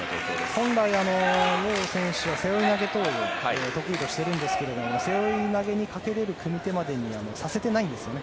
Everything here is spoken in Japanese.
本来、ヨウ選手は背負い投げを得意としているんですが背負い投げにかけられる組み手にまでさせていないんですね。